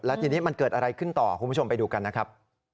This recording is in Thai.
ทีนี้มันเกิดอะไรขึ้นต่อคุณผู้ชมไปดูกันนะครับ